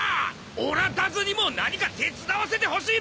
おらたづにも何か手伝わせてほしいべ！